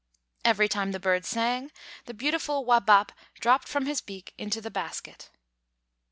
Every time the Bird sang, the beautiful "Wābap" dropped from his beak into the basket.